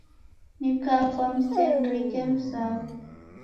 Nikafwa msenirike mzaw'o.